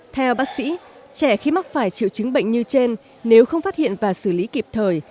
theo bác sĩ trẻ khi mắc phải triệu chứng bệnh như trên nếu không phát hiện và xử lý kịp thời